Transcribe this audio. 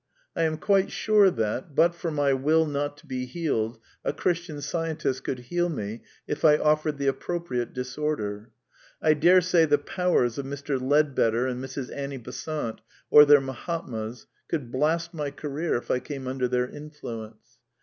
I am quite sure that, but for my will not to be healed, a Christian Scientist could heal me if I offered the appropriate disorder. I daresay the "powers" of Mr. Leadbeater and Mrs. Annie Besant, or their Mahatmas, could blast my career if I came un der their influence.